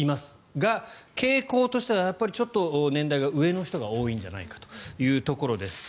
が、傾向としてはちょっと年代が上の人が多いんじゃないかと。